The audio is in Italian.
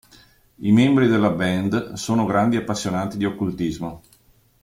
I membri della band sono grandi appassionati di occultismo.